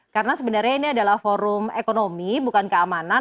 karena sebenarnya ini adalah forum ekonomi bukan keamanan